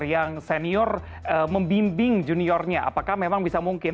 yang senior membimbing juniornya apakah memang bisa mungkin